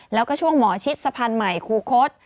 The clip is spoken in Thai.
แล้วก็ช่วงหมอชิตสะพันธ์ใหม่ครูโค๊ต